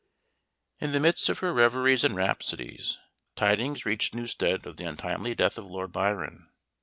In the midst of her reveries and rhapsodies, tidings reached Newstead of the untimely death of Lord Byron.